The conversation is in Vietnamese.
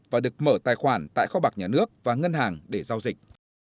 và được mở tài khoản tại kho bạc nhà nước và ngân hàng để giao dịch